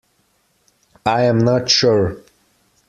I am not sure.